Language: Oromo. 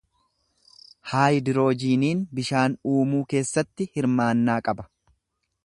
Haayidiroojiiniin bishaan uumuu keessatti hirmaannaa qaba.